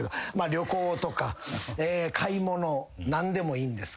旅行とか買い物何でもいい。